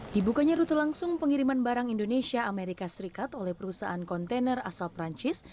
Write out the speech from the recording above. dibukanya rute langsung pengiriman barang indonesia amerika serikat oleh perusahaan kontainer asal perancis